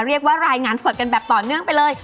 เรียกว่ารายงานสดกันแบบต่อเนื่องไปเลย